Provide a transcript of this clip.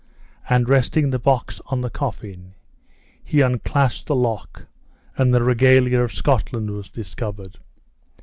and resting the box on the coffin, he unclasped the lock, and the regalia of Scotland was discovered!